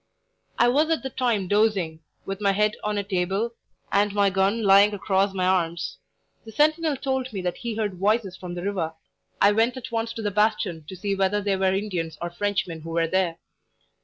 I was at the time dozing, with my head on a table and my gun lying across my arms. The sentinel told me that he heard voices from the river. I went at once to the bastion to see whether they were Indians or Frenchmen who were there.